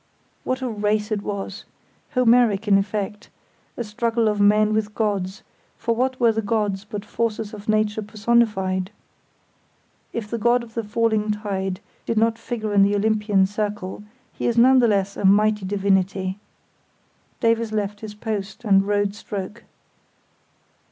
What a race it was! Homeric, in effect; a struggle of men with gods, for what were the gods but forces of nature personified? If the God of the Falling Tide did not figure in the Olympian circle he is none the less a mighty divinity. Davies left his post, and rowed stroke.